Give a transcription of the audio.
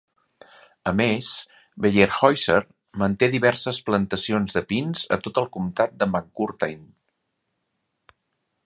A més, Weyerhaeuser manté diverses plantacions de pins a tot el comtat de McCurtain.